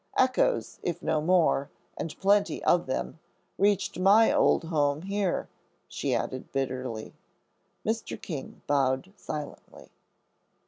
Echoes, if no more, and plenty of them, reached my old home here," she added bitterly. Mr. King bowed silently.